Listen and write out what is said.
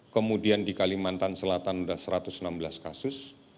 kemudian di kalimantan selatan sudah satu ratus enam belas kasus